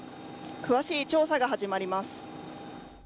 詳しい調査が始まります。